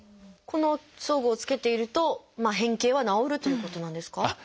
この装具を着けていると変形は治るということなんですか？